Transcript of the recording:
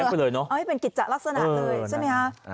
เอาให้เป็นกฤตจารักษณะเลยใช่ไหมฮะ